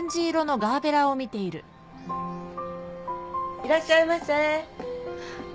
いらっしゃいませ。